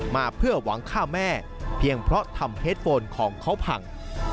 มาเพื่อหวังฆ่าแม่เพียงเพราะทำเฮดโฟนของเขาพัง